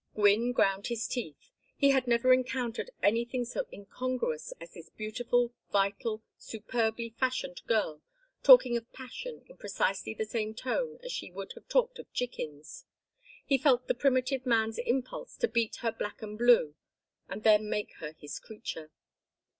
Gwynne ground his teeth. He had never encountered anything so incongruous as this beautiful vital superbly fashioned girl talking of passion in precisely the same tone as she would have talked of chickens. He felt the primitive man's impulse to beat her black and blue and then make her his creature.